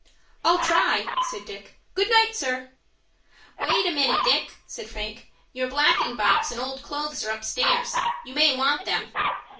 "I'll try," said Dick. "Good night, sir." "Wait a minute, Dick," said Frank. "Your blacking box and old clothes are upstairs. You may want them."